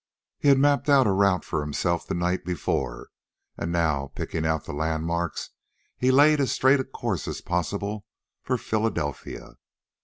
He had mapped out a route for himself the night before, and now, picking out the land marks, he laid as straight a course as possible for Philadelphia.